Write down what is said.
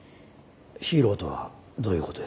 ヒーローとはどういうことですか？